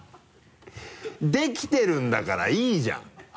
できてるんだからいいじゃん！